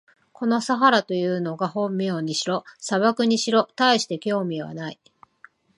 このサハラというのが本名にしろ、砂漠にしろ、たいして興味はない。